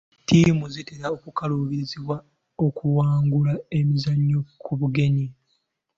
Ttiimu zitera okukaluubirizibwa okuwangula emizannyo ku bugenyi.